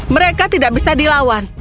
mereka tidak bisa dilawan